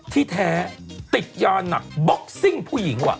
ที่แท้ติดยาหนักบ็อกซิ่งผู้หญิงว่ะ